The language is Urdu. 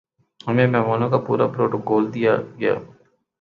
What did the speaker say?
ہمیں مہمانوں کا پورا پروٹوکول دیا گیا